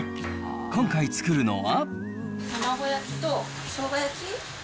今回作るのは。